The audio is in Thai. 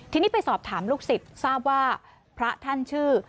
ทีนี้ไปสอบถามลูกศิษย์ทราบว่าพระท่านชื่อ